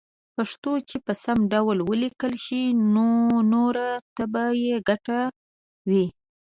پښتو چې په سم ډول وليکلې شي نو نوره ته به يې ګټه وي